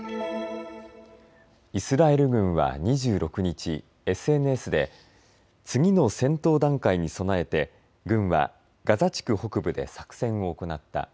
イスラエル軍は２６日、ＳＮＳで次の戦闘段階に備えて軍はガザ地区北部で作戦を行った。